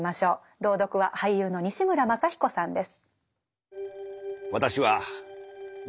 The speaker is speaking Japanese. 朗読は俳優の西村まさ彦さんです。